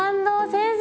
先生